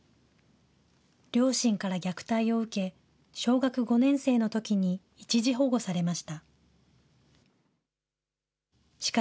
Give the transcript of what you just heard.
両親から虐待を受け、小学５年生のときに一時保護されました。